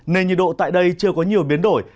nên nhiệt độ tại đây chưa có nhiều biến đổi